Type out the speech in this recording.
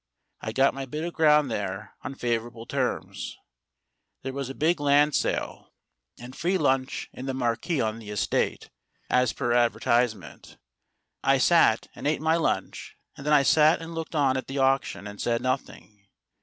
I got my bit of ground there on favorable terms. There was a big land sale, and free 134 STORIES WITHOUT TEARS lunch in the marquee on the estate, as per advertise ment. I .sat and ate my lunch, and then I sat and looked on at the auction, and said nothing.